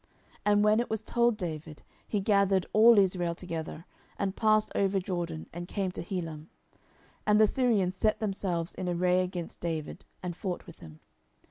10:010:017 And when it was told David, he gathered all Israel together, and passed over Jordan, and came to Helam. And the Syrians set themselves in array against David, and fought with him.